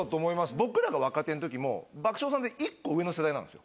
僕らが若手のときも、爆笑さんって一個上の世代なんです。